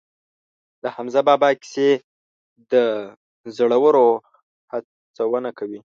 د حمزه بابا کیسې د زړورو هڅونه کوي.